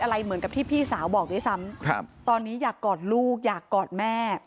อะไรเหมือนกับที่พี่สาวบอกด้วยซ้ำครับตอนนี้อยากกอดลูกอยากกอดแม่